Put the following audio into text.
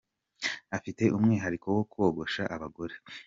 Afite umwihariko wo kogosha abagore